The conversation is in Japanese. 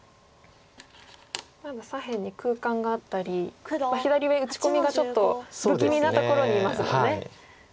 まだ左辺に空間があったり左上打ち込みがちょっと不気味なところにいますもんね。